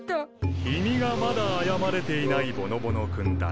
君がまだ謝れていないぼのぼの君だね。